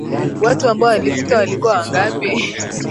Watu ambao walifika walikuwa wangapi?